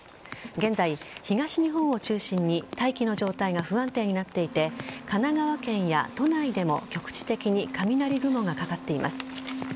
現在、東日本を中心に大気の状態が不安定になっていて神奈川県や都内でも局地的に雷雲がかかっています。